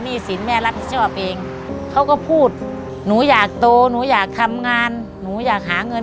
เสียใจไหมเพราะรู้ว่าย่าเป็นหนี้